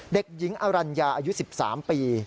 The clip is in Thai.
เด็กหญิงอรัญญาอายุ๑๓ปี